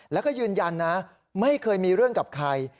แล้วก็ยืนยันนะไม่เคยมีเรื่องกับใคร